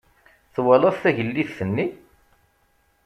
Twalaḍ tagellidt-nni?